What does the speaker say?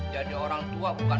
jadi orang tua bukan